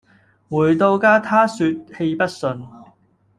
回到家她說氣不順